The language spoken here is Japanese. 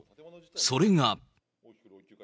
それが。